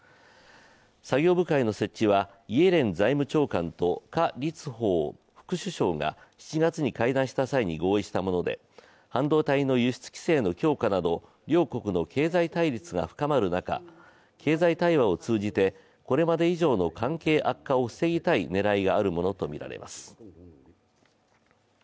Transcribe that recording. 作業部会の設置はイエレン財務長官と何立峰副首相が７月に会談した際に合意したもので半導体の輸出規制の強化など両国の経済対立が深まる中経済対話を通じてこれまで以上の関係悪化を防ぎたい狙いがあるものとみられます。